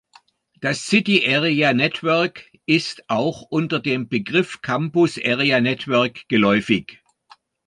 Das City Area Network ist auch unter dem Begriff Campus Area Network geläufig.